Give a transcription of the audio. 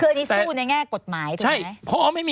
คืออันนี้สู้ในแง่กฎหมายถูกไหม